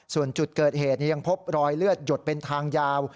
ส่วนจุดเกิดเหตุยังพบรอยเลือดหยดเป็นทางยาว